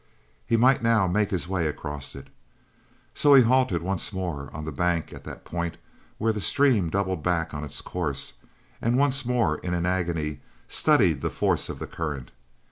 He might now make his way across it. So he halted once more on the bank at the point where the stream doubled back on its course and once more, in an agony, studied the force of the current.